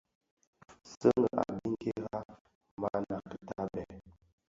Sèghi a biňkira, mana kitabè.